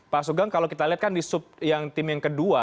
pak sugeng kalau kita lihat kan di sub yang tim yang kedua